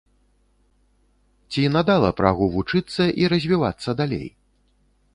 Ці надала прагу вучыцца і развівацца далей?